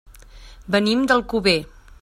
Venim d'Alcover.